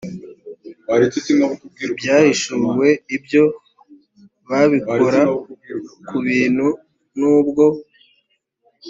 ibyahishuwe ibyo babikora ku buntu nubwo